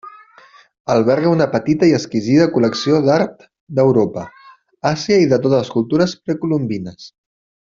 Alberga una petita i exquisida col·lecció d'art d'Europa, Àsia i de les cultures precolombines.